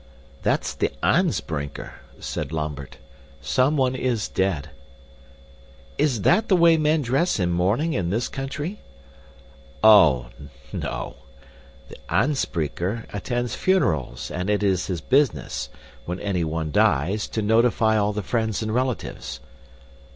"That's the aanspreeker," said Lambert. "Someone is dead." "Is that the way men dress in mourning in this country?" "Oh, no! The aanspreeker attends funerals, and it is his business, when anyone dies, to notify all the friends and relatives."